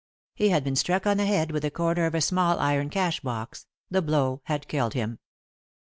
He had been struck on the head with the comer of a small iron cash box ; the blow had killed him.